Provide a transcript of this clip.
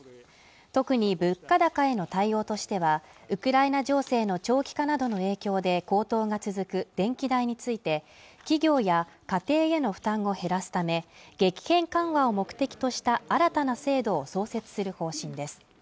特に物価高への対応としてはウクライナ情勢の長期化などの影響で高騰が続く電気代について企業や家庭への負担を減らすため激変緩和を目的とした新たな制度を創設する方針です